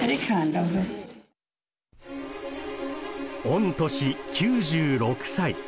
御年９６歳。